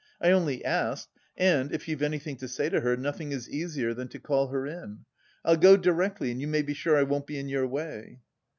I only asked and, if you've anything to say to her, nothing is easier than to call her in. I'll go directly and you may be sure I won't be in your way."